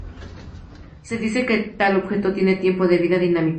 Se dice que tal objeto tiene "tiempo de vida dinámico".